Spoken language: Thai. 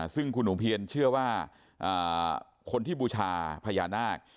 ซึ่งคุณหนูเพียนเชื่อว่าคนที่บูชาพญานาค